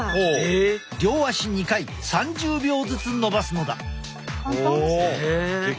両足２回３０秒ずつのばすのだ。